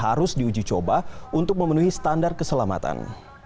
harus diuji coba untuk memenuhi standar keselamatan